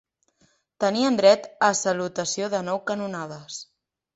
Tenien dret a salutació de nou canonades.